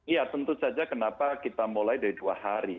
iya tentu saja kenapa kita mulai dari dua hari